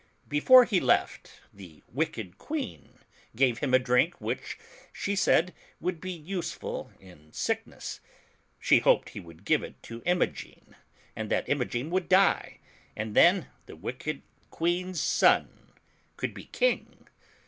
Before he left, the wicked Queen gave him a drink which, she said, would be useful in sickness. She hoped he would give it to Imogen, and that Imogen would die, and then the wicked Queen's son could be King.